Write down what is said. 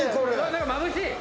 何かまぶしい！